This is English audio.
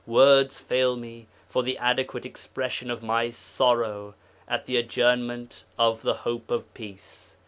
Words fail me for the adequate expression of my sorrow at the adjournment of the hope of Peace.